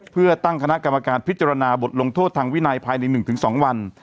เพื่อตั้งคณะกรรมการพิจารณาบทลงโทษทางวินัยภายใน๑๒วัน